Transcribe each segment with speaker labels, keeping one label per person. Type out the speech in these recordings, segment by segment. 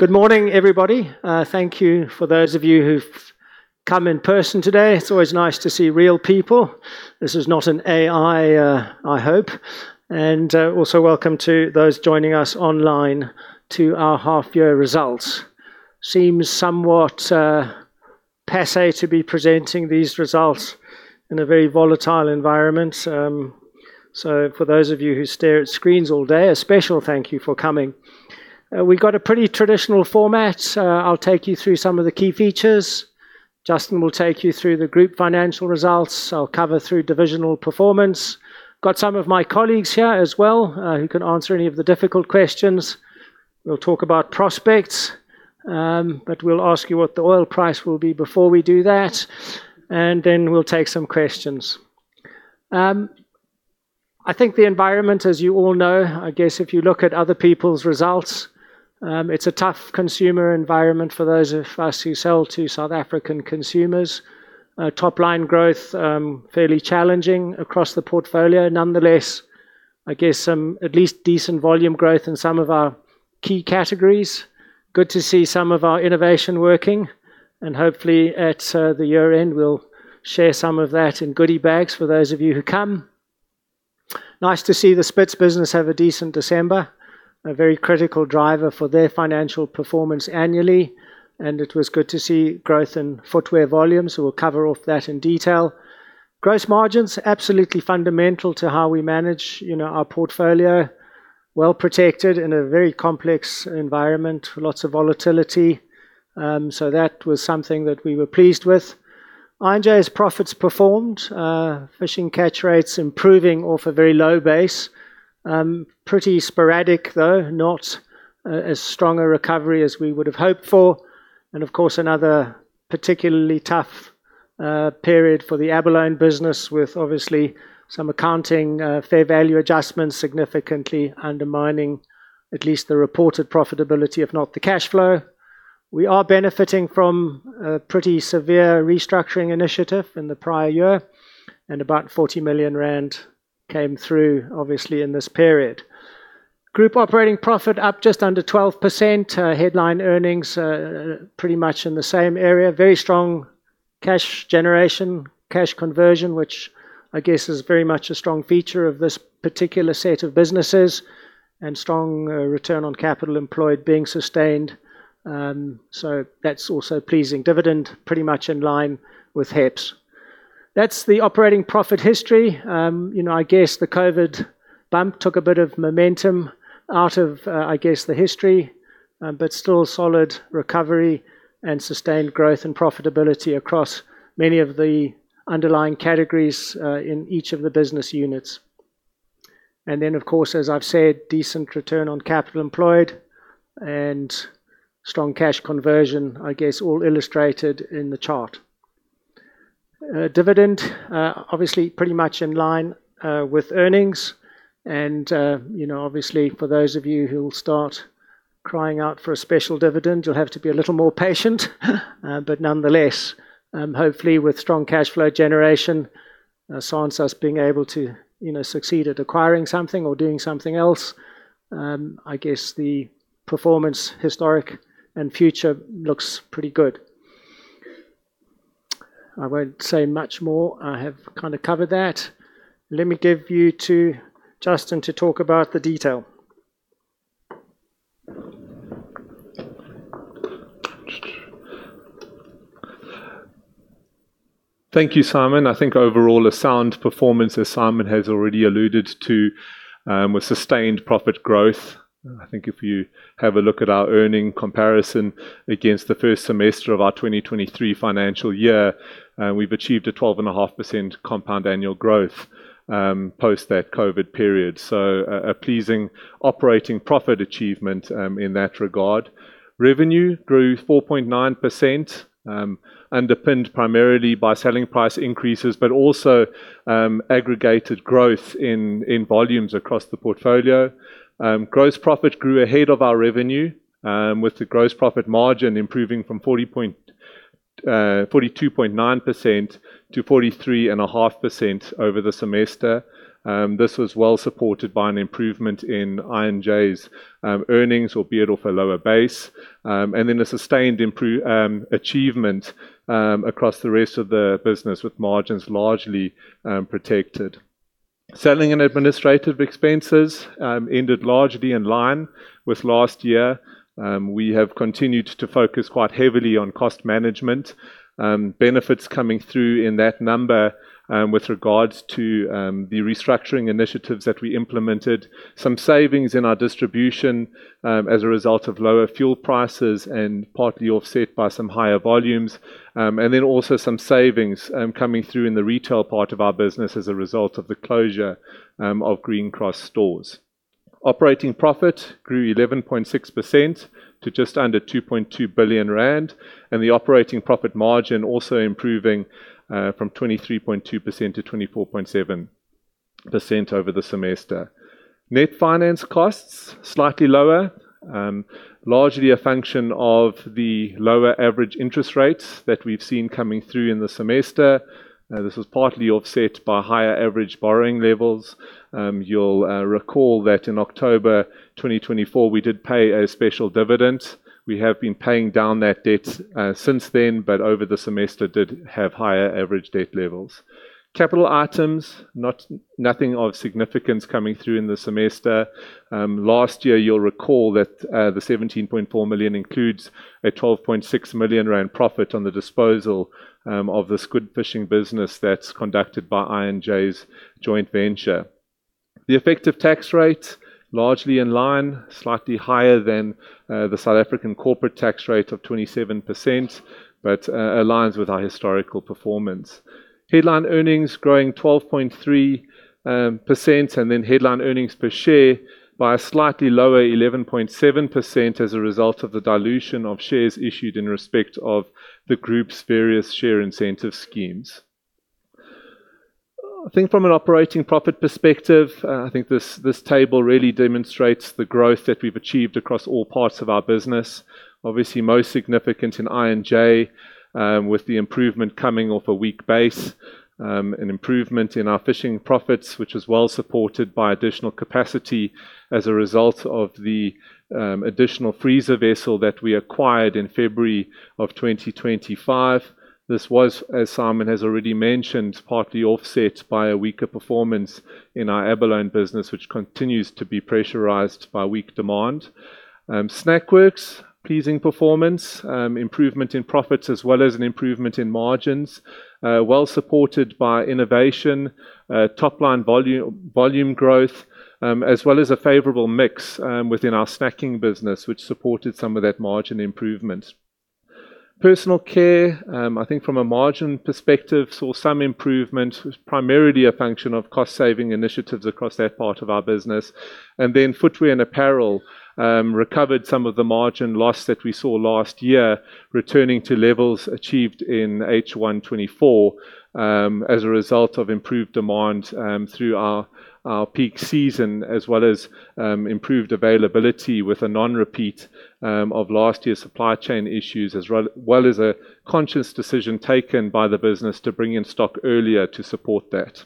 Speaker 1: Good morning, everybody. Thank you for those of you who've come in person today. It's always nice to see real people. This is not an AI, I hope. Also welcome to those joining us online to our half year results. Seems somewhat passé to be presenting these results in a very volatile environment. For those of you who stare at screens all day, a special thank you for coming. We've got a pretty traditional format. I'll take you through some of the key features. Justin will take you through the group financial results. I'll cover through divisional performance. Got some of my colleagues here as well, who can answer any of the difficult questions. We'll talk about prospects, but we'll ask you what the oil price will be before we do that and then we'll take some questions. I think the environment, as you all know, I guess if you look at other people's results, it's a tough consumer environment for those of us who sell to South African consumers. Top line growth, fairly challenging across the portfolio. Nonetheless, I guess, at least decent volume growth in some of our key categories. Good to see some of our innovation working and hopefully at the year-end, we'll share some of that in goodie bags for those of you who come. Nice to see the Spitz business have a decent December, a very critical driver for their financial performance annually and it was good to see growth in footwear volumes. We'll cover off that in detail. Gross margins, absolutely fundamental to how we manage, you know, our portfolio. Well protected in a very complex environment with lots of volatility, that was something that we were pleased with. I&J's profits performed. Fishing catch rates improving off a very low base. Pretty sporadic though, not as strong a recovery as we would have hoped for. Of course, another particularly tough period for the abalone business with obviously some accounting fair value adjustments significantly undermining at least the reported profitability, if not the cash flow. We are benefiting from a pretty severe restructuring initiative in the prior year, about 40 million rand came through obviously in this period. Group operating profit up just under 12%. Headline earnings pretty much in the same area. Very strong cash generation, cash conversion, which I guess is very much a strong feature of this particular set of businesses and strong return on capital employed being sustained. That's also pleasing. Dividend pretty much in line with HEPS. That's the operating profit history. You know, I guess the COVID bump took a bit of momentum out of, I guess the history, but still solid recovery and sustained growth and profitability across many of the underlying categories in each of the business units. Of course, as I've said, decent return on capital employed and strong cash conversion, I guess all illustrated in the chart. Dividend, obviously pretty much in line with earnings and, you know, obviously for those of you who will start crying out for a special dividend, you'll have to be a little more patient. Nonetheless, hopefully with strong cash flow generation, Sansas being able to, you know, succeed at acquiring something or doing something else, I guess the performance, historic and future, looks pretty good. I won't say much more. I have kind of covered that. Let me give you to Justin to talk about the detail.
Speaker 2: Thank you, Simon. I think overall a sound performance, as Simon has already alluded to, with sustained profit growth. I think if you have a look at our earning comparison against the first semester of our 2023 financial year, we've achieved a 12.5% compound annual growth post that COVID period. A pleasing operating profit achievement in that regard. Revenue grew 4.9% underpinned primarily by selling price increases, but also aggregated growth in volumes across the portfolio. Gross profit grew ahead of our revenue with the gross profit margin improving from 42.9% to 43.5% over the semester. This was well supported by an improvement in I&J's earnings, albeit off a lower base. A sustained achievement across the rest of the business with margins largely protected. Selling and administrative expenses ended largely in line with last year. We have continued to focus quite heavily on cost management. Benefits coming through in that number with regards to the restructuring initiatives that we implemented. Some savings in our distribution as a result of lower fuel prices and partly offset by some higher volumes. Also some savings coming through in the retail part of our business as a result of the closure of Green Cross stores. Operating profit grew 11.6% to just under 2.2 billion rand and the operating profit margin also improving from 23.2% to 24.7% over the semester. Net finance costs slightly lower, largely a function of the lower average interest rates that we've seen coming through in the semester. This was partly offset by higher average borrowing levels. You'll recall that in October 2024, we did pay a special dividend. We have been paying down that debt since then, but over the semester did have higher average debt levels. Capital items, nothing of significance coming through in the semester. Last year, you'll recall that the 17.4 million includes a 12.6 million rand profit on the disposal of the squid fishing business that's conducted by I&J's joint venture. The effective tax rate largely in line, slightly higher than the South African corporate tax rate of 27%, but aligns with our historical performance. Headline earnings growing 12.3%, headline earnings per share by a slightly lower 11.7% as a result of the dilution of shares issued in respect of the group's various share incentive schemes. I think from an operating profit perspective, I think this table really demonstrates the growth that we've achieved across all parts of our business. Obviously, most significant in I&J, with the improvement coming off a weak base, an improvement in our fishing profits, which was well supported by additional capacity as a result of the additional freezer vessel that we acquired in February of 2025. This was, as Simon has already mentioned, partly offset by a weaker performance in our abalone business, which continues to be pressurized by weak demand. Snackworks, pleasing performance, improvement in profits as well as an improvement in margins, well supported by innovation, top-line volume growth, as well as a favorable mix within our snacking business, which supported some of that margin improvement. Personal care, I think from a margin perspective, saw some improvement, was primarily a function of cost-saving initiatives across that part of our business. Footwear and apparel recovered some of the margin loss that we saw last year, returning to levels achieved in H1 2024, as a result of improved demand through our peak season, as well as improved availability with a non-repeat of last year's supply chain issues, as well as a conscious decision taken by the business to bring in stock earlier to support that.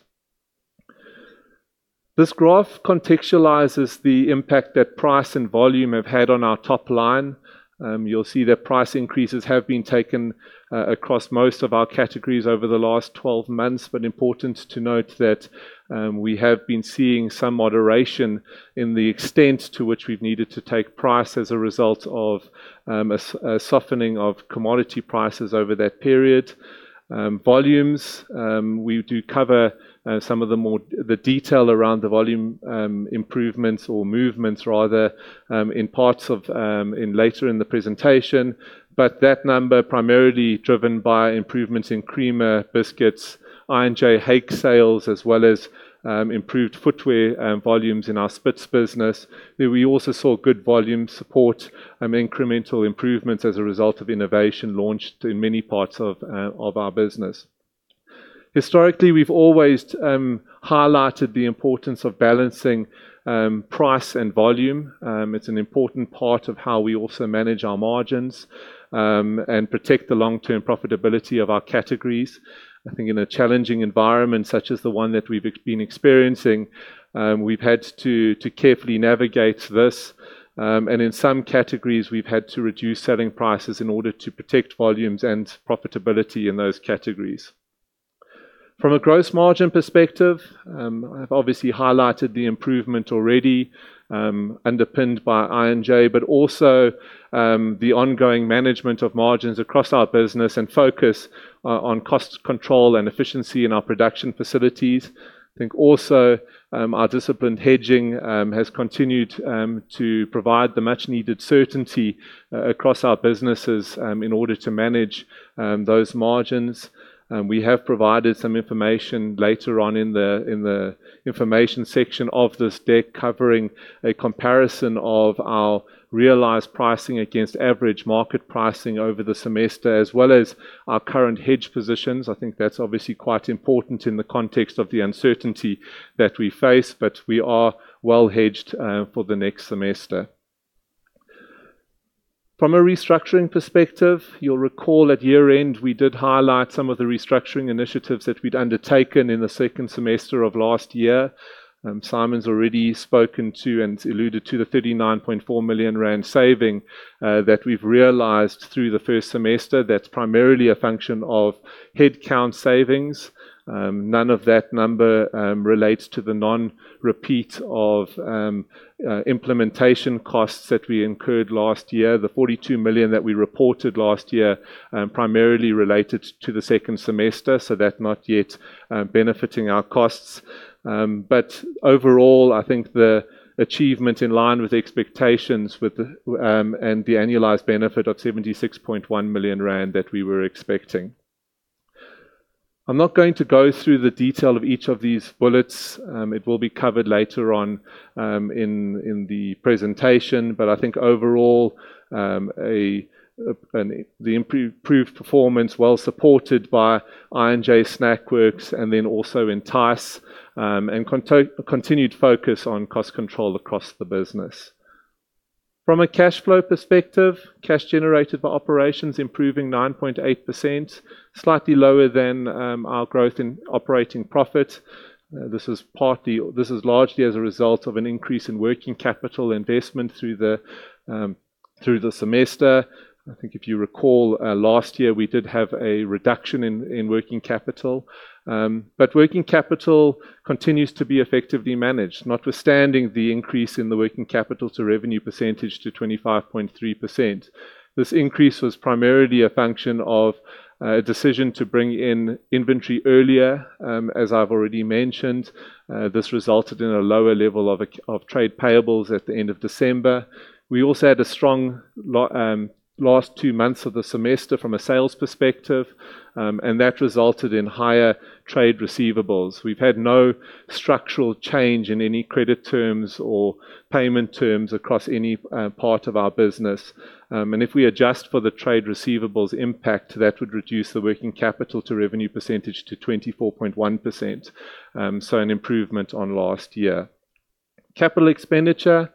Speaker 2: This graph contextualizes the impact that price and volume have had on our top line. You'll see that price increases have been taken across most of our categories over the last 12 months. Important to note that we have been seeing some moderation in the extent to which we've needed to take price as a result of a softening of commodity prices over that period. Volumes, we do cover some of the more the detail around the volume improvements or movements rather, in parts of in later in the presentation. That number primarily driven by improvements in creamer, biscuits, I&J hake sales, as well as improved footwear volumes in our Spitz business. We also saw good volume support, incremental improvements as a result of innovation launched in many parts of our business. Historically, we've always highlighted the importance of balancing price and volume. It's an important part of how we also manage our margins and protect the long-term profitability of our categories. I think in a challenging environment such as the one that we've been experiencing, we've had to carefully navigate this. In some categories, we've had to reduce selling prices in order to protect volumes and profitability in those categories. From a gross margin perspective, I've obviously highlighted the improvement already, underpinned by I&J, but also the ongoing management of margins across our business and focus on cost control and efficiency in our production facilities. I think also, our disciplined hedging has continued to provide the much-needed certainty across our businesses in order to manage those margins. We have provided some information later on in the information section of this deck covering a comparison of our realized pricing against average market pricing over the semester as well as our current hedge positions. I think that's obviously quite important in the context of the uncertainty that we face. We are well hedged for the next semester. From a restructuring perspective, you'll recall at year-end, we did highlight some of the restructuring initiatives that we'd undertaken in the second semester of last year. Simon's already spoken to and alluded to the 39.4 million rand saving that we've realized through the first semester. That's primarily a function of headcount savings. None of that number relates to the non-repeat of implementation costs that we incurred last year. The 42 million that we reported last year primarily related to the second semester, so that not yet benefiting our costs. Overall, I think the achievement in line with expectations with the annualized benefit of 76.1 million rand that we were expecting. I'm not going to go through the detail of each of these bullets. It will be covered later on in the presentation. I think overall, the improved performance well supported by I&J Snackworks and then also Entyce and continued focus on cost control across the business. From a cash flow perspective, cash generated by operations improving 9.8%, slightly lower than our growth in operating profit. This is largely as a result of an increase in working capital investment through the semester. I think if you recall, last year, we did have a reduction in working capital. Working capital continues to be effectively managed, notwithstanding the increase in the working capital to revenue percentage to 25.3%. This increase was primarily a function of a decision to bring in inventory earlier, as I've already mentioned. This resulted in a lower level of trade payables at the end of December. We also had a strong last two months of the semester from a sales perspective and that resulted in higher trade receivables. We've had no structural change in any credit terms or payment terms across any part of our business. If we adjust for the trade receivables impact, that would reduce the working capital to revenue percentage to 24.1%. An improvement on last year. Capital expenditure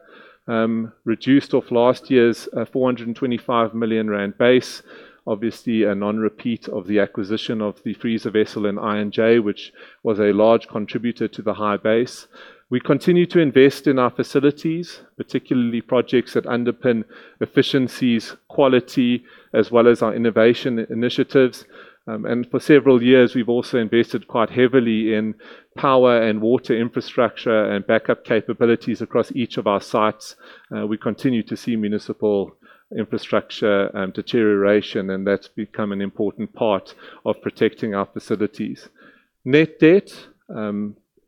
Speaker 2: reduced off last year's 425 million rand base. Obviously, a non-repeat of the acquisition of the freezer vessel in I&J, which was a large contributor to the high base. We continue to invest in our facilities, particularly projects that underpin efficiencies, quality, as well as our innovation initiatives. For several years, we've also invested quite heavily in power and water infrastructure and backup capabilities across each of our sites. We continue to see municipal infrastructure deterioration, that's become an important part of protecting our facilities. Net debt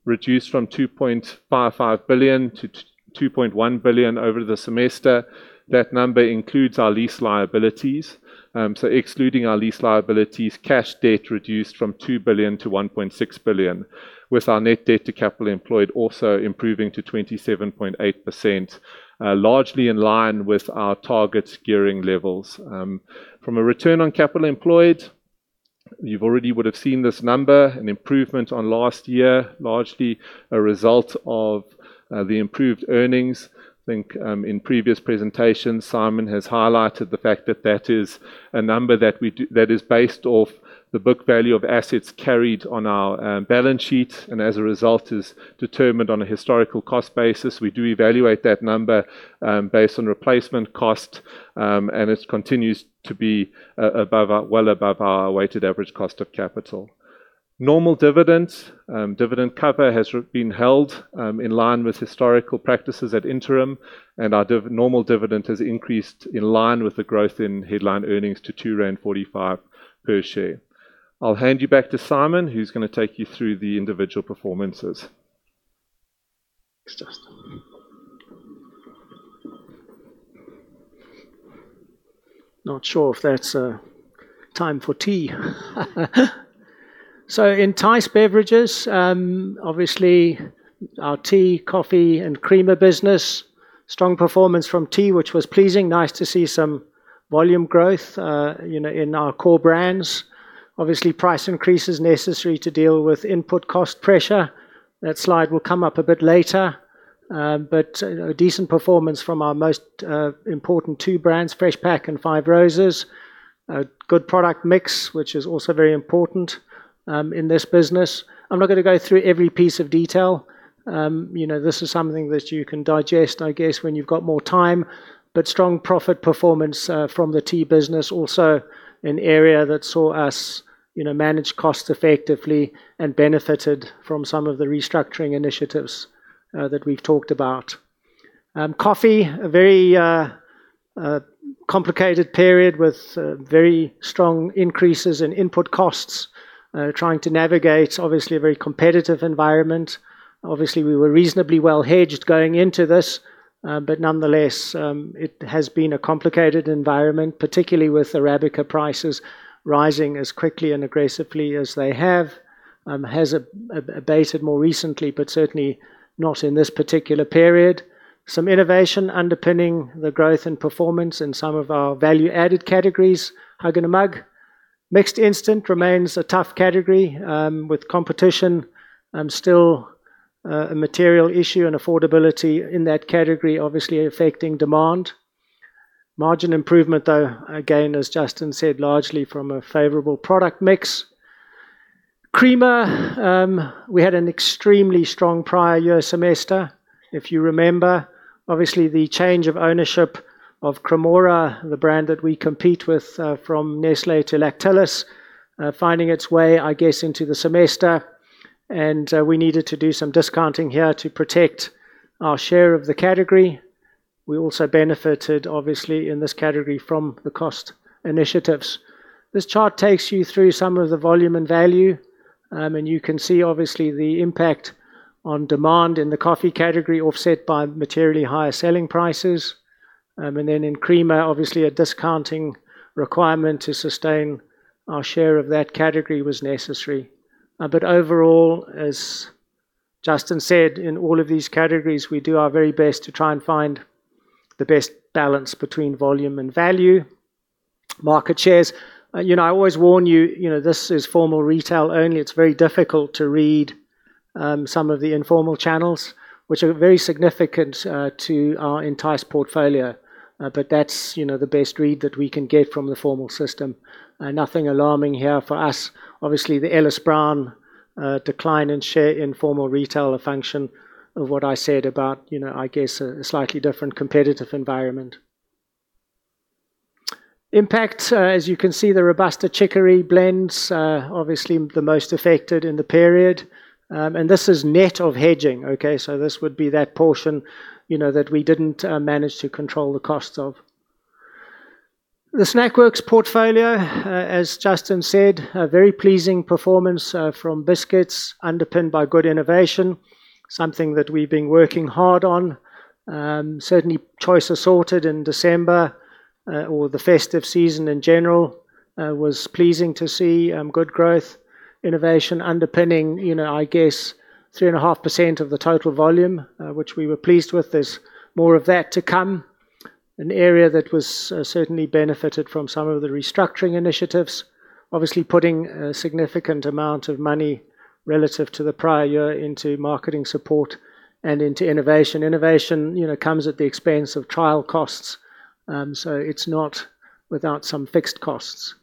Speaker 2: reduced from 2.55 billion to 2.1 billion over the semester. That number includes our lease liabilities. Excluding our lease liabilities, cash debt reduced from 2 billion to 1.6 billion, with our net debt to capital employed also improving to 27.8%, largely in line with our target gearing levels. From a return on capital employed, you've already would have seen this number, an improvement on last year, largely a result of the improved earnings. I think, in previous presentations, Simon has highlighted the fact that that is a number that is based off the book value of assets carried on our balance sheet and as a result is determined on a historical cost basis. We do evaluate that number, based on replacement cost and it continues to be well above our weighted average cost of capital. Normal dividends. Dividend cover has been held in line with historical practices at interim, our normal dividend has increased in line with the growth in headline earnings to 2.45 per share. I'll hand you back to Simon, who's gonna take you through the individual performances. Thanks, Justin.
Speaker 1: Not sure if that's time for tea. In Entyce Beverages, obviously our tea, coffee and creamer business. Strong performance from tea, which was pleasing. Nice to see some volume growth, you know, in our core brands. Obviously, price increases necessary to deal with input cost pressure. That slide will come up a bit later. You know, a decent performance from our most important two brands, Freshpak and Five Roses. A good product mix, which is also very important in this business. I'm not gonna go through every piece of detail. You know, this is something that you can digest, I guess, when you've got more time. Strong profit performance from the tea business, also an area that saw us, you know, manage costs effectively and benefited from some of the restructuring initiatives that we've talked about. Coffee, a very complicated period with very strong increases in input costs. Trying to navigate, obviously, a very competitive environment. Obviously, we were reasonably well hedged going into this, but nonetheless, it has been a complicated environment, particularly with Arabica prices rising as quickly and aggressively as they have. Has abated more recently, but certainly not in this particular period. Some innovation underpinning the growth and performance in some of our value-added categories. Hug in a Mug. Mixed instant remains a tough category, with competition, still a material issue and affordability in that category obviously affecting demand. Margin improvement, though, again, as Justin said, largely from a favorable product mix. Creamer, we had an extremely strong prior year semester. If you remember, obviously the change of ownership of Cremora, the brand that we compete with, from Nestlé to Lactalis, finding its way, I guess, into the semester. We needed to do some discounting here to protect our share of the category. We also benefited, obviously, in this category from the cost initiatives. This chart takes you through some of the volume and value. You can see, obviously, the impact on demand in the coffee category offset by materially higher selling prices. In creamer, obviously a discounting requirement to sustain our share of that category was necessary. Overall, as Justin said, in all of these categories, we do our very best to try and find the best balance between volume and value. Market shares. You know, I always warn you know, this is formal retail only. It's very difficult to read, some of the informal channels, which are very significant, to our Entyce portfolio. That's, you know, the best read that we can get from the formal system. Nothing alarming here for us. Obviously, the Ellis Brown, decline in share in formal retail, a function of what I said about, you know, a slightly different competitive environment. Impact. As you can see, the robusta chicory blends are obviously the most affected in the period. This is net of hedging, okay? This would be that portion, you know, that we didn't manage to control the cost of. The Snackworks portfolio, as Justin said, a very pleasing performance, from biscuits underpinned by good innovation, something that we've been working hard on. Certainly Bakers Choice Assorted in December, or the festive season in general, was pleasing to see, good growth innovation underpinning, you know, I guess 3.5% of the total volume, which we were pleased with. There's more of that to come. An area that was certainly benefited from some of the restructuring initiatives, obviously putting a significant amount of money relative to the prior year into marketing support and into innovation. Innovation, you know, comes at the expense of trial costs. It's not without some fixed costs.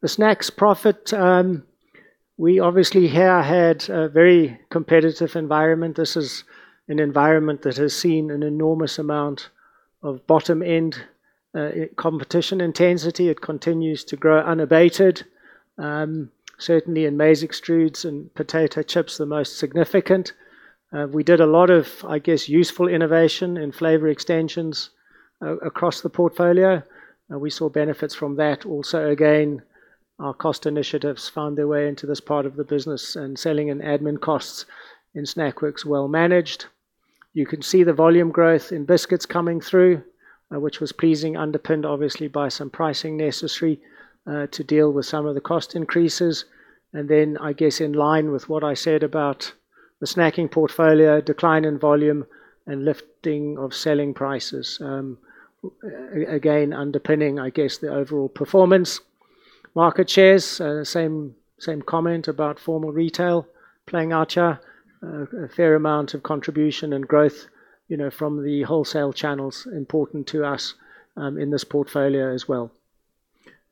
Speaker 1: The snacks profit, we obviously here had a very competitive environment. This is an environment that has seen an enormous amount of bottom-end, competition intensity. It continues to grow unabated. Certainly in maize extrudates and potato chips, the most significant. We did a lot of, I guess, useful innovation in flavor extensions across the portfolio. We saw benefits from that also. Again, our cost initiatives found their way into this part of the business and selling an admin costs in Snackworks well managed. You can see the volume growth in biscuits coming through, which was pleasing, underpinned obviously by some pricing necessary to deal with some of the cost increases. I guess in line with what I said about the snacking portfolio decline in volume and lifting of selling prices, again, underpinning I guess the overall performance. Market shares, same comment about formal retail playing our cha, a fair amount of contribution and growth, you know, from the wholesale channels important to us, in this portfolio as well.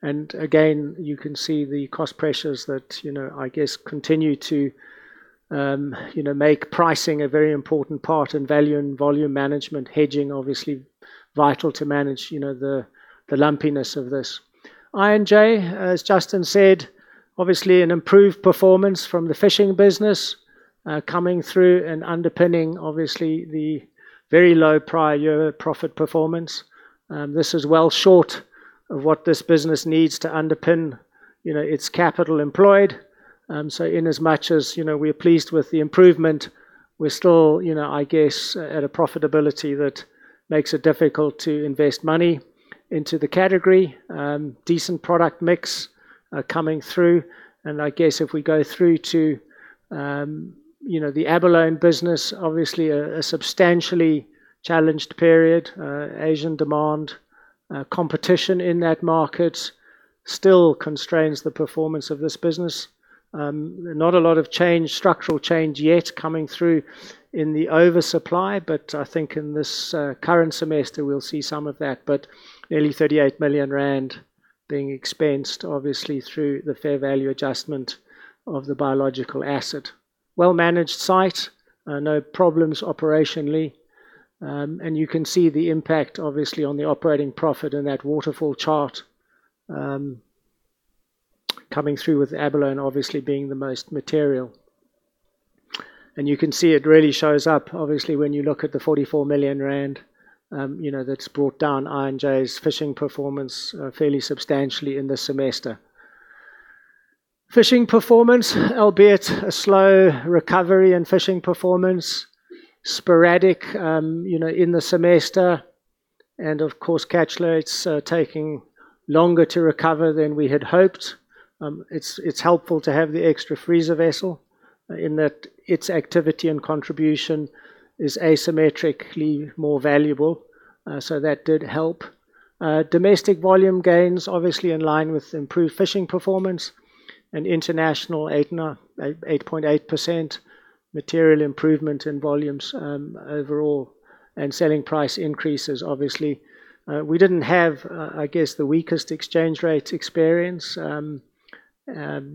Speaker 1: Again, you can see the cost pressures that, you know, I guess continue to, you know, make pricing a very important part in value and volume management. Hedging obviously vital to manage, you know, the lumpiness of this. I&J, as Justin said, obviously an improved performance from the fishing business, coming through and underpinning obviously the very low prior year profit performance. This is well short of what this business needs to underpin, you know, its capital employed. So in as much as, you know, we are pleased with the improvement, we're still, you know, I guess at a profitability that makes it difficult to invest money into the category. Decent product mix, coming through. I guess if we go through to, you know, the abalone business, obviously a substantially challenged period. Asian demand, competition in that market still constrains the performance of this business. Not a lot of change, structural change yet coming through in the oversupply, but I think in this current semester we'll see some of that. Nearly 38 million rand being expensed, obviously through the fair value adjustment of the biological asset. Well-managed site, no problems operationally. You can see the impact obviously on the operating profit in that waterfall chart, coming through with abalone obviously being the most material. You can see it really shows up obviously when you look at the 44 million rand, you know, that's brought down I&J's fishing performance, fairly substantially in this semester. Fishing performance, albeit a slow recovery in fishing performance, sporadic, you know, in the semester and of course catch loads taking longer to recover than we had hoped. It's, it's helpful to have the extra freezer vessel in that its activity and contribution is asymmetrically more valuable. That did help. Domestic volume gains obviously in line with improved fishing performance and international 8.8% material improvement in volumes, overall and selling price increases obviously. We didn't have, I guess the weakest exchange rate experience,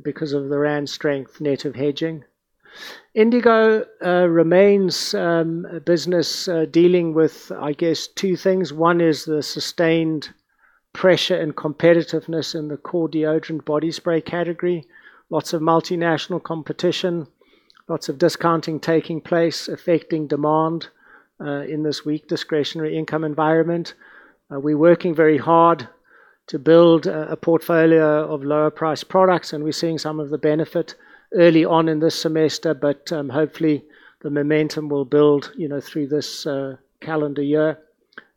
Speaker 1: because of the rand strength net of hedging. Indigo remains a business dealing with I guess two things. One is the sustained pressure and competitiveness in the core deodorant body spray category. Lots of multinational competition, lots of discounting taking place, affecting demand in this weak discretionary income environment. We're working very hard to build a portfolio of lower priced products and we're seeing some of the benefit early on in this semester. Hopefully the momentum will build, you know, through this calendar year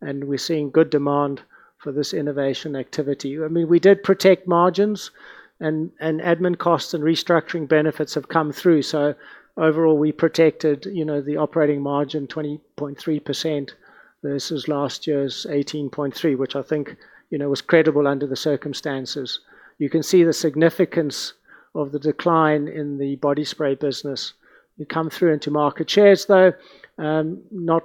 Speaker 1: and we're seeing good demand for this innovation activity. I mean, we did protect margins, admin costs and restructuring benefits have come through, overall we protected, you know, the operating margin 20.3% versus last year's 18.3%, which I think, you know, was credible under the circumstances. You can see the significance of the decline in the body spray business. You come through into market shares, though, not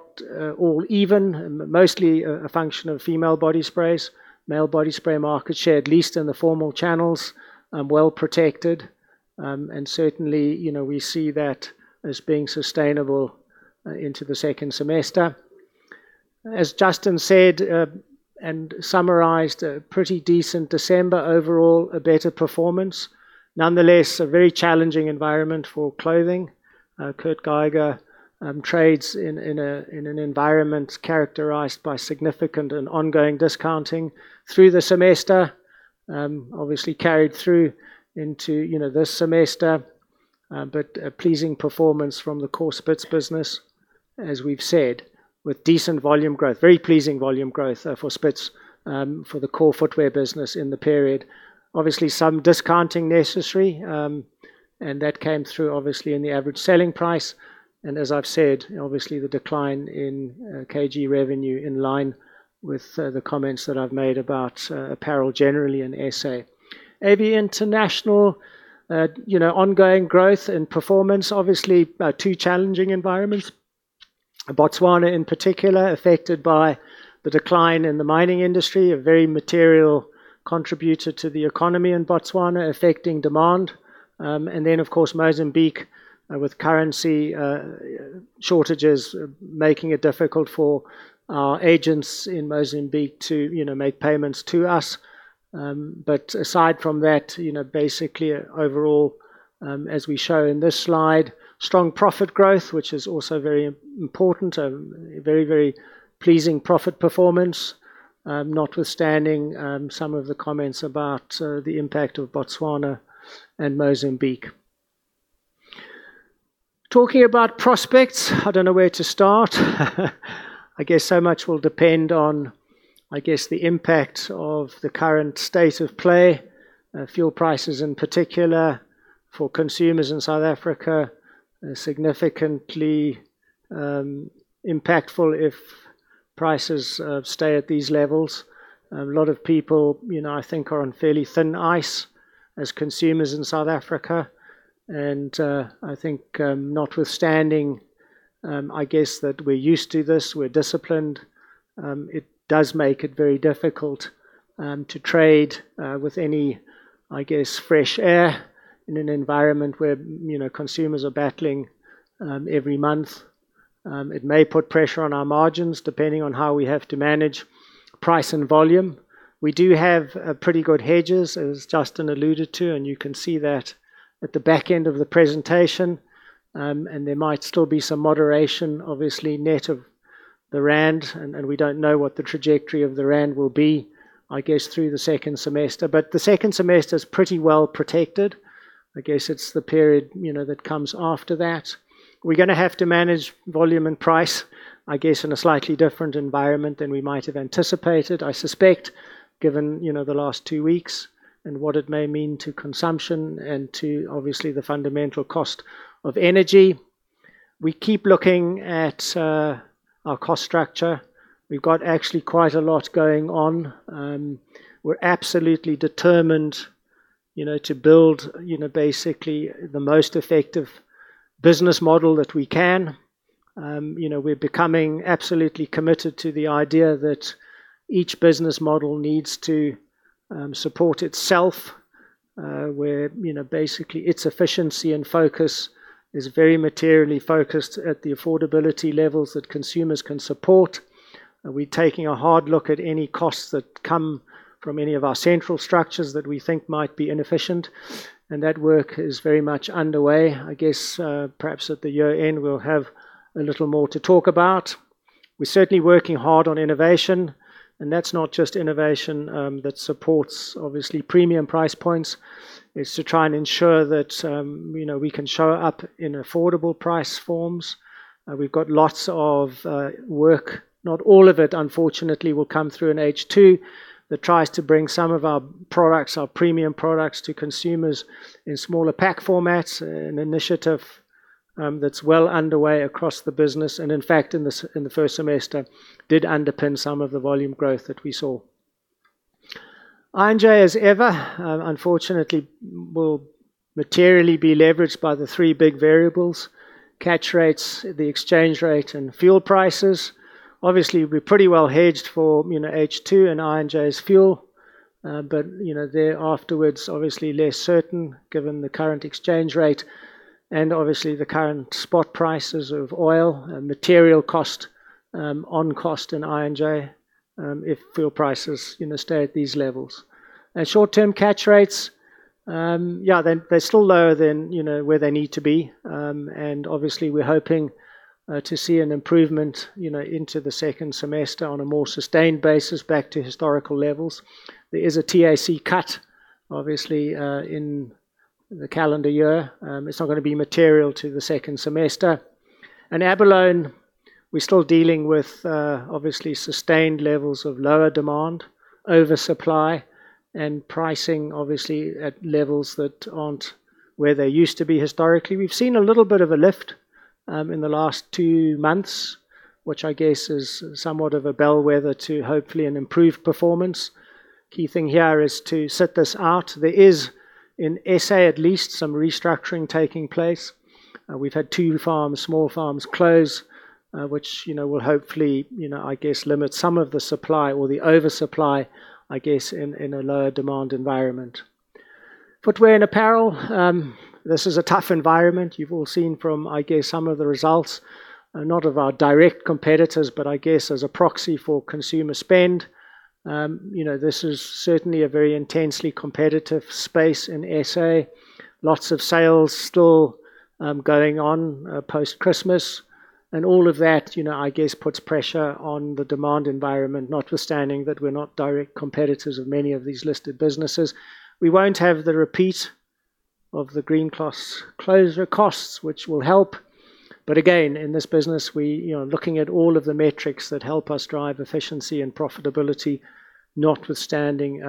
Speaker 1: all even, mostly a function of female body sprays. Male body spray market share, at least in the formal channels, well protected. Certainly, you know, we see that as being sustainable, into the second semester. As Justin said and summarized, a pretty decent December overall, a better performance. Nonetheless, a very challenging environment for clothing. Kurt Geiger, trades in a, in an environment characterized by significant and ongoing discounting through the semester, obviously carried through into, you know, this semester. A pleasing performance from the core Spitz business, as we've said, with decent volume growth. Very pleasing volume growth, for Spitz, for the core footwear business in the period. Obviously, some discounting necessary and that came through obviously in the average selling price. As I've said, obviously the decline in KG revenue in line with the comments that I've made about apparel generally in SA. AB International, you know, ongoing growth and performance, obviously, two challenging environments. Botswana in particular affected by the decline in the mining industry, a very material contributor to the economy in Botswana affecting demand. Of course Mozambique, with currency shortages making it difficult for our agents in Mozambique to, you know, make payments to us. Aside from that, you know, basically overall, as we show in this slide, strong profit growth, which is also very important. A very, very pleasing profit performance, notwithstanding some of the comments about the impact of Botswana and Mozambique. Talking about prospects, I don't know where to start. I guess so much will depend on, I guess, the impact of the current state of play. Fuel prices in particular for consumers in South Africa are significantly impactful if prices stay at these levels. A lot of people, you know, I think are on fairly thin ice as consumers in South Africa. I think, notwithstanding, I guess that we're used to this, we're disciplined, it does make it very difficult to trade with any, I guess, fresh air in an environment where, you know, consumers are battling every month. It may put pressure on our margins depending on how we have to manage price and volume. We do have pretty good hedges, as Justin alluded to and you can see that at the back end of the presentation. There might still be some moderation, obviously net of the rand and we don't know what the trajectory of the rand will be, I guess, through the second semester. The second semester is pretty well protected. I guess it's the period, you know, that comes after that. We're gonna have to manage volume and price, I guess, in a slightly different environment than we might have anticipated, I suspect, given, you know, the last two weeks and what it may mean to consumption and to obviously the fundamental cost of energy. We keep looking at our cost structure. We've got actually quite a lot going on. We're absolutely determined, you know, to build, you know, basically the most effective business model that we can. You know, we're becoming absolutely committed to the idea that each business model needs to support itself, where, you know, basically its efficiency and focus is very materially focused at the affordability levels that consumers can support. We're taking a hard look at any costs that come from any of our central structures that we think might be inefficient and that work is very much underway. I guess, perhaps at the year-end, we'll have a little more to talk about. We're certainly working hard on innovation and that's not just innovation that supports obviously premium price points. It's to try and ensure that, you know, we can show up in affordable price forms. We've got lots of work. Not all of it, unfortunately, will come through in H2 that tries to bring some of our products, our premium products, to consumers in smaller pack formats, an initiative that's well underway across the business. In fact, in the first semester, did underpin some of the volume growth that we saw. I&J as ever, unfortunately will materially be leveraged by the three big variables: catch rates, the exchange rate and fuel prices. Obviously, we're pretty well hedged for, you know, H2 and I&J's fuel. You know, there afterwards, obviously less certain given the current exchange rate and obviously the current spot prices of oil and material cost on cost in I&J, if fuel prices, you know, stay at these levels. Short-term catch rates, yeah, they're still lower than, you know, where they need to be. Obviously we're hoping, to see an improvement, you know, into the second semester on a more sustained basis back to historical levels. There is a TAC cut, obviously, in the calendar year. It's not gonna be material to the second semester. Abalone, we're still dealing with, obviously sustained levels of lower demand, oversupply and pricing obviously at levels that aren't where they used to be historically. We've seen a little bit of a lift, in the last two months, which I guess is somewhat of a bellwether to hopefully an improved performance. Key thing here is to sit this out. There is, in SA at least, some restructuring taking place. We've had two farms, small farms close, which, you know, will hopefully, you know, I guess, limit some of the supply or the oversupply, I guess, in a lower demand environment. Footwear and apparel, this is a tough environment. You've all seen from, I guess, some of the results, not of our direct competitors, but I guess as a proxy for consumer spend. You know, this is certainly a very intensely competitive space in SA. Lots of sales still going on post-Christmas. All of that, you know, I guess, puts pressure on the demand environment, notwithstanding that we're not direct competitors of many of these listed businesses. We won't have the repeat of the Green Cross closure costs, which will help. Again, in this business, we you know, looking at all of the metrics that help us drive efficiency and profitability notwithstanding,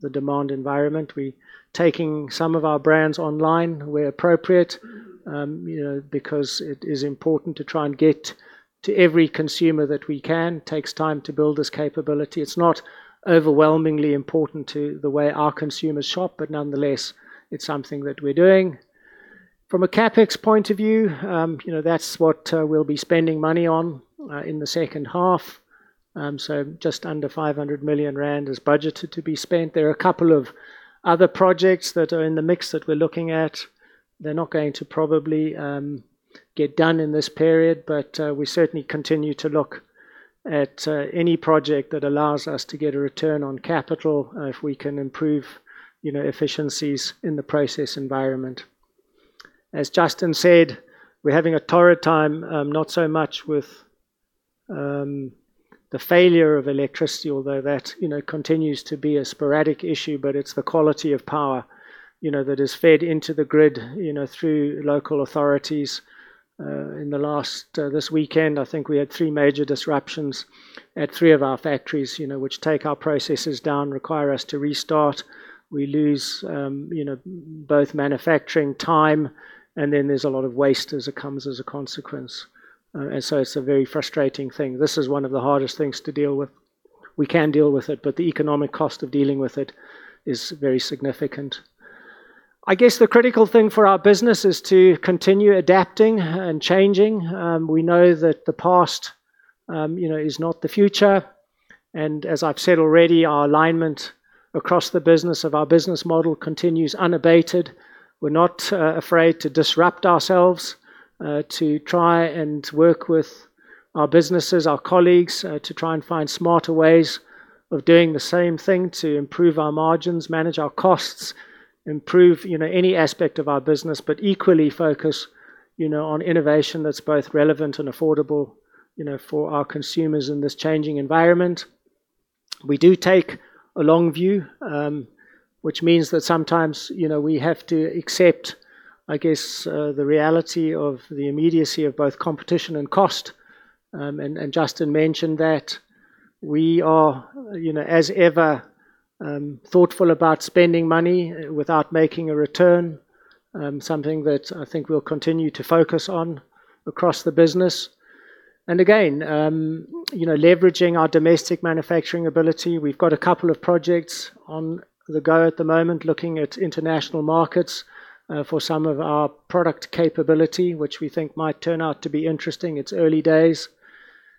Speaker 1: the demand environment. We're taking some of our brands online where appropriate, you know, because it is important to try and get to every consumer that we can. Takes time to build this capability. It's not overwhelmingly important to the way our consumers shop but nonetheless, it's something that we're doing. From a CapEx point of view, you know, that's what we'll be spending money on in the second half. So just under 500 million rand is budgeted to be spent. There are a couple of other projects that are in the mix that we're looking at. They're not going to probably get done in this period, but we certainly continue to look at any project that allows us to get a return on capital if we can improve, you know, efficiencies in the process environment. As Justin said, we're having a torrid time, not so much with the failure of electricity, although that, you know, continues to be a sporadic issue, but it's the quality of power, you know, that is fed into the grid, you know, through local authorities. This weekend, I think we had three major disruptions at three of our factories, you know, which take our processes down, require us to restart. We lose, you know, both manufacturing time and then there's a lot of waste as it comes as a consequence. It's a very frustrating thing. This is one of the hardest things to deal with. We can deal with it, but the economic cost of dealing with it is very significant. I guess the critical thing for our business is to continue adapting and changing. We know that the past, you know, is not the future. As I've said already, our alignment across the business of our business model continues unabated. We're not afraid to disrupt ourselves, to try and work with our businesses, our colleagues to try and find smarter ways of doing the same thing to improve our margins, manage our costs, improve, you know, any aspect of our business. Equally focus, you know, on innovation that's both relevant and affordable, you know, for our consumers in this changing environment. We do take a long view, which means that sometimes, you know, we have to accept, I guess, the reality of the immediacy of both competition and cost. Justin mentioned that we are, you know, as ever, thoughtful about spending money without making a return. Something that I think we'll continue to focus on across the business. Again, you know, leveraging our domestic manufacturing ability. We've got a couple of projects on the go at the moment, looking at international markets, for some of our product capability, which we think might turn out to be interesting. It's early days.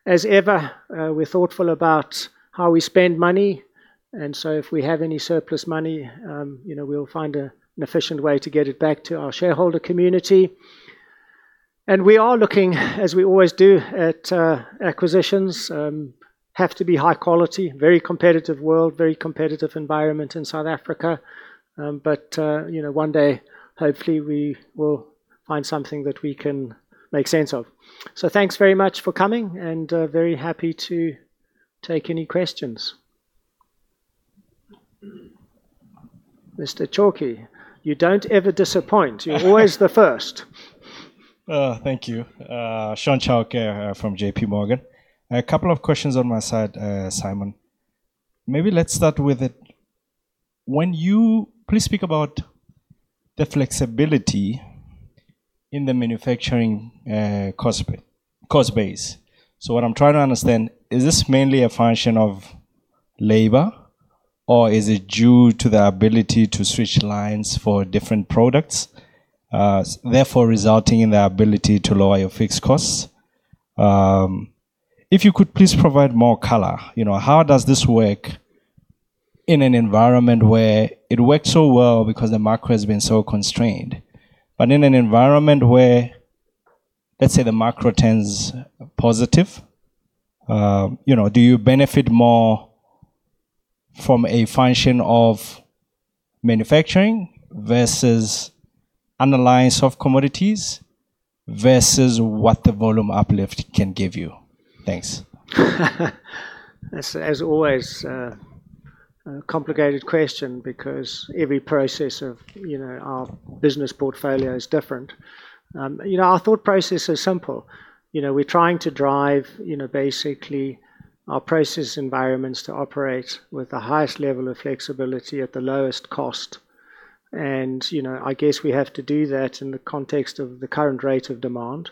Speaker 1: As ever, we're thoughtful about how we spend money. If we have any surplus money, you know, we'll find an efficient way to get it back to our shareholder community. We are looking, as we always do, at acquisitions. Have to be high quality, very competitive world, very competitive environment in South Africa. You know, one day, hopefully, we will find something that we can make sense of. Thanks very much for coming and very happy to take any questions. Mr. Chauke, you don't ever disappoint. You're always the first.
Speaker 3: Thank you. Shaun Chauke from JPMorgan. A couple of questions on my side, Simon. Maybe let's start with it. Please speak about the flexibility in the manufacturing cost base. What I'm trying to understand, is this mainly a function of labor, or is it due to the ability to switch lines for different products, therefore resulting in the ability to lower your fixed costs? If you could please provide more color. You know, how does this work in an environment where it works so well because the macro has been so constrained? In an environment where, let's say, the macro turns positive, you know, do you benefit more from a function of manufacturing versus underlying soft commodities versus what the volume uplift can give you? Thanks.
Speaker 1: As always, a complicated question because every process of, you know, our business portfolio is different. You know, our thought process is simple. You know, we're trying to drive, you know, basically our process environments to operate with the highest level of flexibility at the lowest cost. You know, I guess we have to do that in the context of the current rate of demand.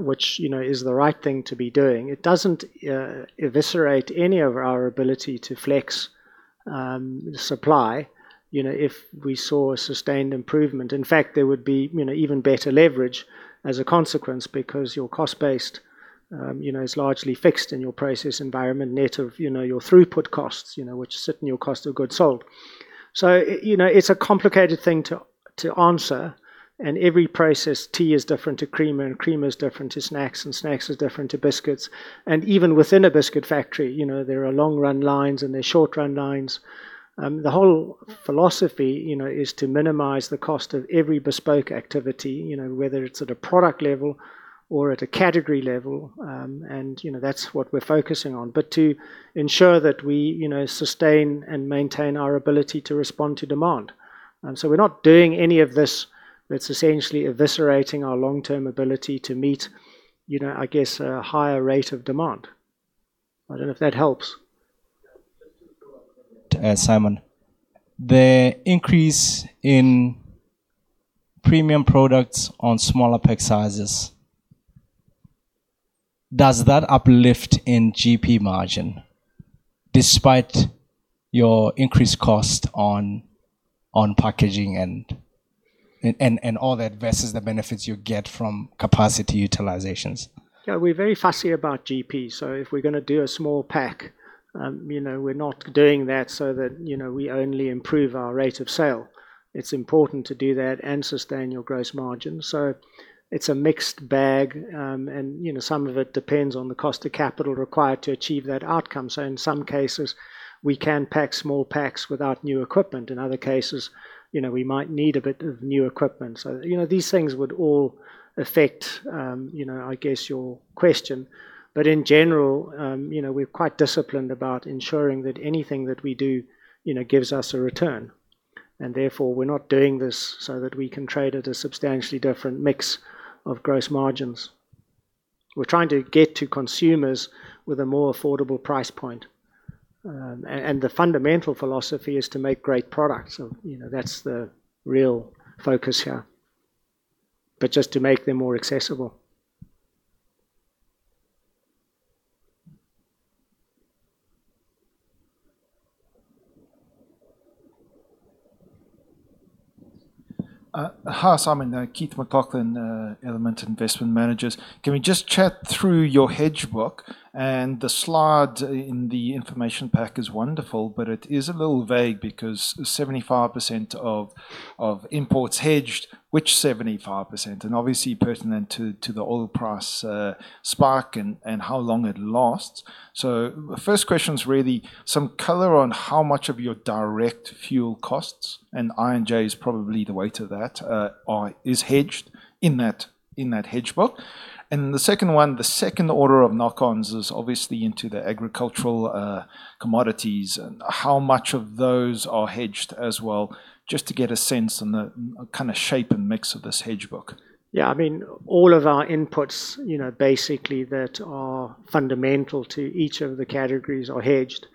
Speaker 1: Which, you know, is the right thing to be doing. It doesn't eviscerate any of our ability to flex supply, you know, if we saw a sustained improvement. There would be, you know, even better leverage as a consequence because your cost base, you know, is largely fixed in your process environment net of, you know, your throughput costs, you know, which sit in your cost of goods sold. You know, it's a complicated thing to answer and every process tea is different to creamer and creamer is different to snacks and snacks is different to biscuits. Even within a biscuit factory, you know, there are long-run lines and there are short-run lines. The whole philosophy, you know, is to minimize the cost of every bespoke activity, you know, whether it's at a product level or at a category level. You know, that's what we're focusing on. To ensure that we, you know, sustain and maintain our ability to respond to demand. We're not doing any of this that's essentially eviscerating our long-term ability to meet, you know, I guess, a higher rate of demand. I don't know if that helps.
Speaker 3: Simon, the increase in premium products on smaller pack sizes, does that uplift in GP margin despite your increased cost on packaging and all that versus the benefits you get from capacity utilizations?
Speaker 1: Yeah. We're very fussy about GP. If we're gonna do a small pack, you know, we're not doing that so that, you know, we only improve our rate of sale. It's important to do that and sustain your gross margin. It's a mixed bag and you know, some of it depends on the cost of capital required to achieve that outcome. In some cases we can pack small packs without new equipment. In other cases, you know, we might need a bit of new equipment. These things would all affect, you know, I guess your question. In general, you know, we're quite disciplined about ensuring that anything that we do, you know, gives us a return and therefore we're not doing this so that we can trade at a substantially different mix of gross margins. We're trying to get to consumers with a more affordable price point. And the fundamental philosophy is to make great products. You know, that's the real focus here. Just to make them more accessible.
Speaker 4: Hi, Simon. Keith McLachlan, Element Investment Managers. Can we just chat through your hedge book? The slide in the information pack is wonderful, but it is a little vague because 75% of imports hedged. Which 75%? Obviously pertinent to the oil price spike and how long it lasts. First question is really some color on how much of your direct fuel costs and I&J is probably the weight of that, is hedged in that, in that hedge book. The second one, the second order of knock-ons is obviously into the agricultural commodities. How much of those are hedged as well? Just to get a sense on the kind of shape and mix of this hedge book.
Speaker 1: I mean, all of our inputs, you know, basically that are fundamental to each of the categories are hedged.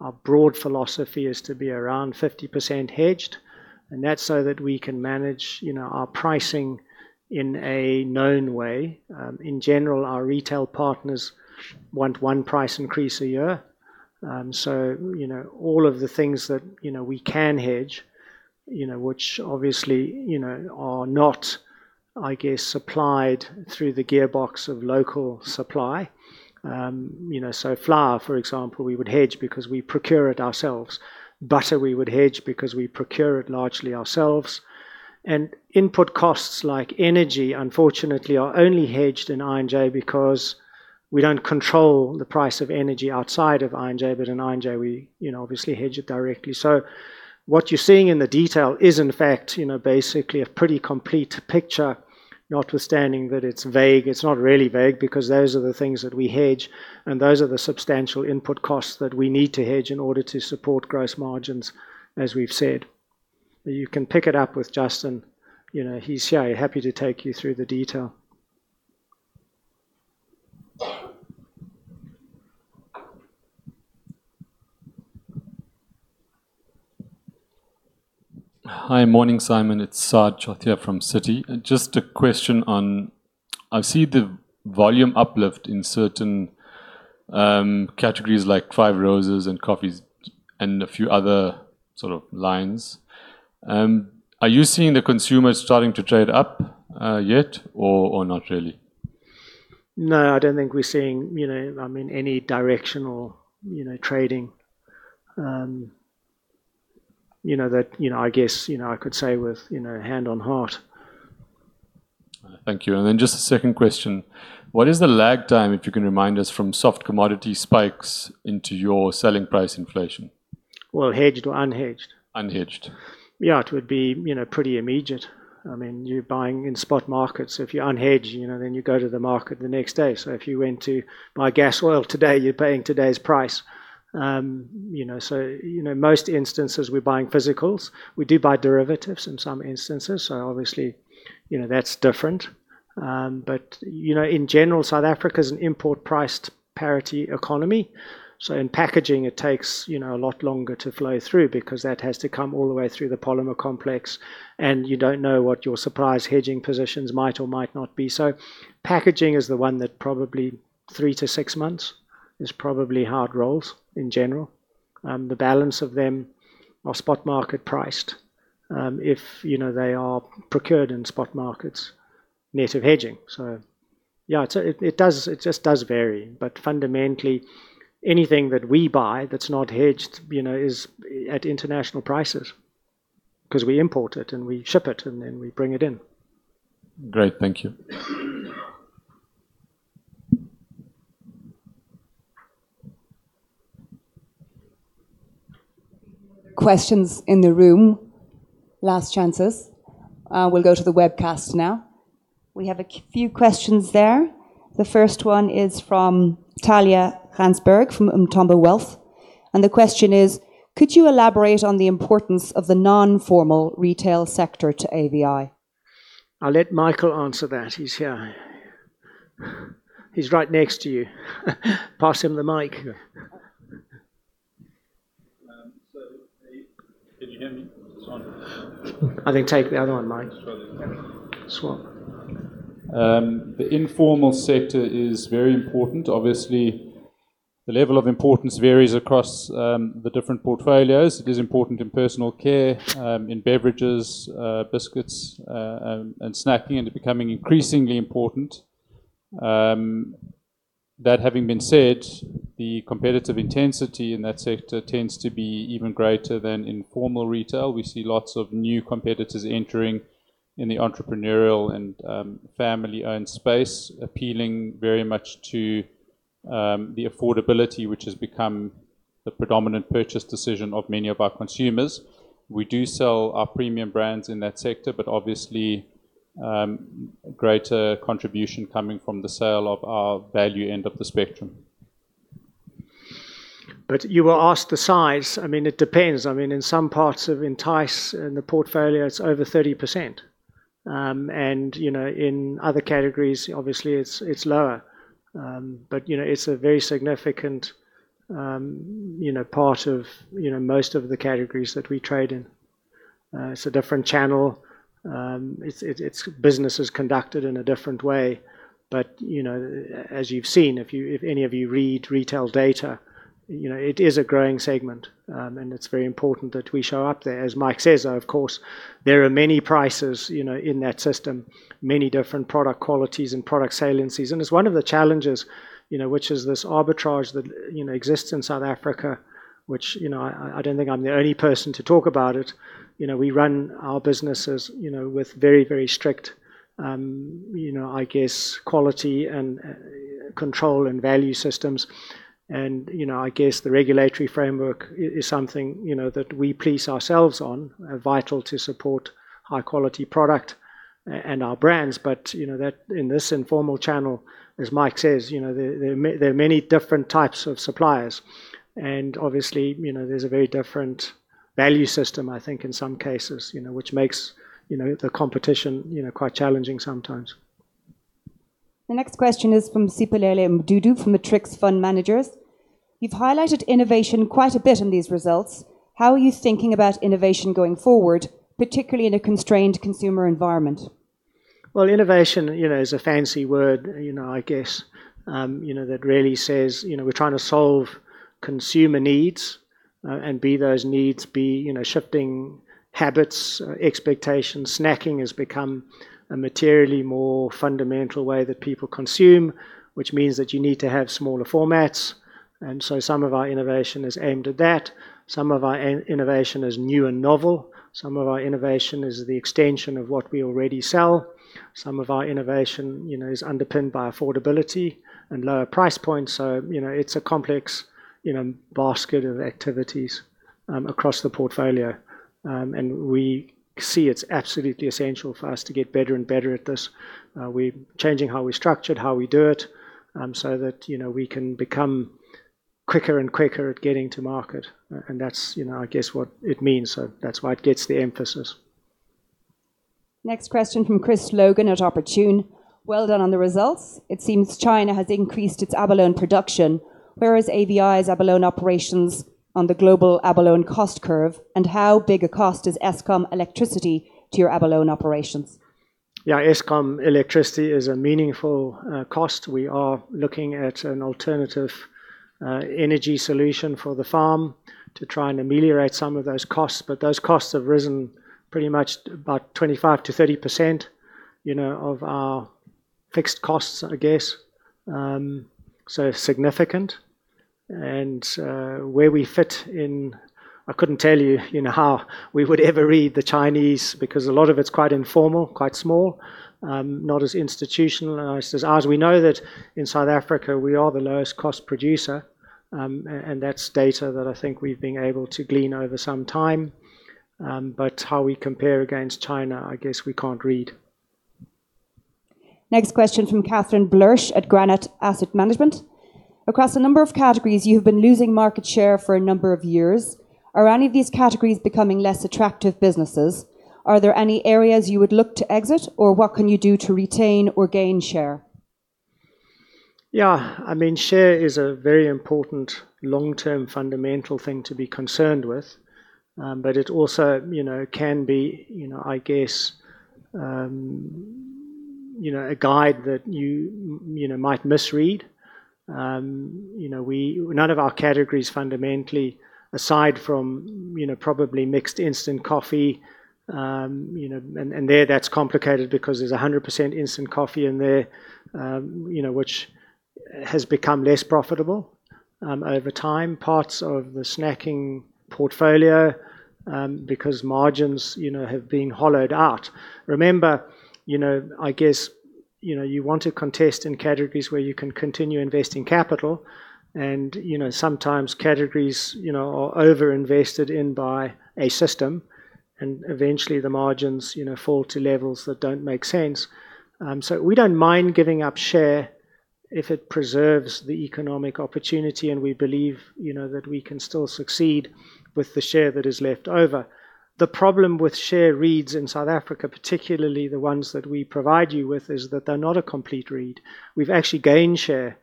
Speaker 1: Our broad philosophy is to be around 50% hedged, that's so that we can manage, you know, our pricing in a known way. In general, our retail partners want 1 price increase a year. All of the things that, you know, we can hedge, which obviously, you know, are not, I guess, supplied through the gearbox of local supply. Flour for example, we would hedge because we procure it ourselves. Butter we would hedge because we procure it largely ourselves. Input costs like energy, unfortunately, are only hedged in I&J because we don't control the price of energy outside of I&J, but in I&J we, you know, obviously hedge it directly. What you're seeing in the detail is in fact, you know, basically a pretty complete picture, notwithstanding that it's vague. It's not really vague because those are the things that we hedge and those are the substantial input costs that we need to hedge in order to support gross margins, as we've said. You can pick it up with Justin. You know, he's here, happy to take you through the detail.
Speaker 5: Hi. Morning, Simon. It's Saad Chotia from Citi. Just a question on I see the volume uplift in certain, categories like Five Roses and coffees and a few other sort of lines. Are you seeing the consumers starting to trade up, yet or not really?
Speaker 1: No, I don't think we're seeing, you know, I mean, any directional, you know, trading. You know, that, you know, I guess, you know, I could say with, you know, hand on heart.
Speaker 5: Thank you. Just a second question. What is the lag time, if you can remind us from soft commodity spikes into your selling price inflation?
Speaker 1: Well, hedged or unhedged?
Speaker 5: Unhedged.
Speaker 1: Yeah. It would be, you know, pretty immediate. I mean, you're buying in spot markets. If you unhedged, you know, you go to the market the next day. If you went to buy gas oil today, you're paying today's price. You know, most instances we're buying physicals. We do buy derivatives in some instances, obviously, you know, that's different. In general South Africa's an import priced parity economy. In packaging it takes, you know, a lot longer to flow through because that has to come all the way through the polymer complex and you don't know what your suppliers' hedging positions might or might not be. Packaging is the one that probably three-six months is probably hard rolls in general. The balance of them are spot market priced. If, you know, they are procured in spot markets net of hedging. Yeah, it just does vary. Fundamentally, anything that we buy that's not hedged, you know, is at international prices because we import it and we ship it and then we bring it in.
Speaker 5: Great. Thank you.
Speaker 6: Questions in the room. Last chances. We'll go to the webcast now. We have a few questions there. The first one is from Talya Ginsberg from Umthombo Wealth, the question is could you elaborate on the importance of the non-formal retail sector to AVI?
Speaker 1: I'll let Michael answer that. He's here. He's right next to you. Pass him the mic.
Speaker 7: Can you hear me? Is this on?
Speaker 1: I think take the other one, Mike.
Speaker 7: This one?
Speaker 1: Swap.
Speaker 7: The informal sector is very important. Obviously, the level of importance varies across the different portfolios. It is important in personal care, in beverages, biscuits and snacking and becoming increasingly important. That having been said, the competitive intensity in that sector tends to be even greater than in formal retail. We see lots of new competitors entering in the entrepreneurial and family-owned space, appealing very much to the affordability, which has become the predominant purchase decision of many of our consumers. We do sell our premium brands in that sector but obviously, greater contribution coming from the sale of our value end of the spectrum.
Speaker 1: You will ask the size. I mean, it depends. I mean, in some parts of Entyce in the portfolio, it's over 30%. You know, in other categories, obviously it's lower. You know, it's a very significant, you know, part of, you know, most of the categories that we trade in. It's a different channel. It's business is conducted in a different way. You know, as you've seen, if any of you read retail data, you know, it is a growing segment. It's very important that we show up there. As Mike says, of course, there are many prices, you know, in that system, many different product qualities and product saliencies. It's one of the challenges, you know, which is this arbitrage that, you know, exists in South Africa, which, you know, I don't think I'm the only person to talk about it. You know, we run our businesses, you know, with very, very strict, you know, I guess, quality and control and value systems. I guess the regulatory framework is something, you know, that we police ourselves on, are vital to support high quality product and our brands. That in this informal channel, as Mike says, you know, there are many different types of suppliers. Obviously, you know, there's a very different value system, I think, in some cases, you know, which makes, you know, the competition, you know, quite challenging sometimes.
Speaker 6: The next question is from Siphelele Mdudu from Matrix Fund Managers. You've highlighted innovation quite a bit in these results. How are you thinking about innovation going forward particularly in a constrained consumer environment?
Speaker 1: Well, innovation, you know, is a fancy word, you know, I guess, you know, that really says, you know, we're trying to solve consumer needs and be those needs, you know, shifting habits, expectations. Snacking has become a materially more fundamental way that people consume, which means that you need to have smaller formats. Some of our innovation is aimed at that. Some of our innovation is new and novel. Some of our innovation is the extension of what we already sell. Some of our innovation, you know, is underpinned by affordability and lower price points. You know, it's a complex, you know, basket of activities across the portfolio. We see it's absolutely essential for us to get better and better at this. We're changing how we structure it, how we do it so that, you know, we can become quicker and quicker at getting to market. That's, you know, I guess what it means. That's why it gets the emphasis.
Speaker 6: Next question from Chris Logan at Opportune. Well done on the results. It seems China has increased its abalone production. Where is AVI's abalone operations on the global abalone cost curve and how big a cost is Eskom electricity to your abalone operations?
Speaker 1: Eskom electricity is a meaningful cost. We are looking at an alternative energy solution for the farm to try and ameliorate some of those costs. Those costs have risen pretty much about 25% to 30%, you know, of our fixed costs, I guess. Significant. Where we fit in, I couldn't tell you know, how we would ever read the Chinese because a lot of it's quite informal, quite small, not as institutional as ours. We know that in South Africa, we are the lowest cost producer. That's data that I think we've been able to glean over some time. How we compare against China, I guess we can't read.
Speaker 6: Next question from Catherine Blersch at Granate Asset Management. Across a number of categories, you have been losing market share for a number of years. Are any of these categories becoming less attractive businesses? Are there any areas you would look to exit, or what can you do to retain or gain share?
Speaker 1: Yeah. I mean, share is a very important long-term fundamental thing to be concerned with. It also, you know, can be, you know, I guess, you know, a guide that you know, might misread. You know, none of our categories fundamentally, aside from, you know, probably mixed instant coffee, you know and there that's complicated because there's 100% instant coffee in there, you know, which has become less profitable, over time. Parts of the snacking portfolio, because margins, you know, have been hollowed out. Remember, you know, I guess, you know, you want to contest in categories where you can continue investing capital and, you know, sometimes categories, you know, are over-invested in by a system and eventually the margins, you know, fall to levels that don't make sense. We don't mind giving up share if it preserves the economic opportunity and we believe, you know, that we can still succeed with the share that is left over. The problem with share reads in South Africa, particularly the ones that we provide you with, is that they're not a complete read. We've actually gained share,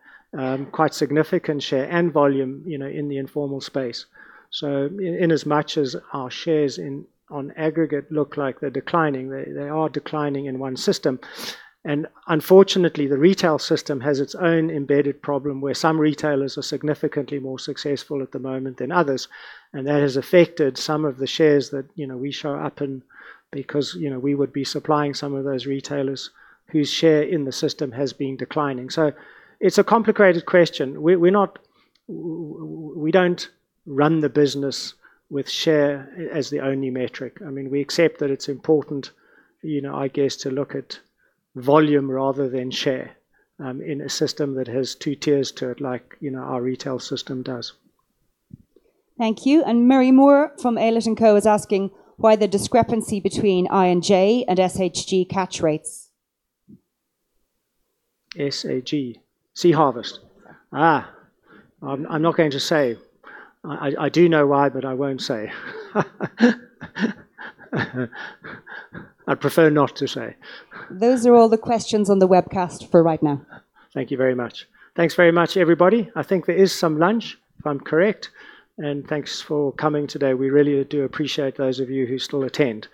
Speaker 1: quite significant share and volume, you know, in the informal space. Inasmuch as our shares on aggregate look like they're declining, they are declining in one system. Unfortunately, the retail system has its own embedded problem, where some retailers are significantly more successful at the moment than others and that has affected some of the shares that, you know, we show up in because, you know, we would be supplying some of those retailers whose share in the system has been declining. It's a complicated question. We don't run the business with share as the only metric. I mean, we accept that it's important, you know, I guess to look at volume rather than share, in a system that has two tiers to it, like, you know, our retail system does.
Speaker 6: Thank you. Murray Moore from Aylett & Co is asking why the discrepancy between I&J and SHG catch rates?
Speaker 1: SHG. Sea Harvest. I'm not going to say. I do know why, but I won't say. I'd prefer not to say.
Speaker 6: Those are all the questions on the webcast for right now.
Speaker 1: Thank you very much. Thanks very much, everybody. I think there is some lunch, if I'm correct. Thanks for coming today. We really do appreciate those of you who still attend.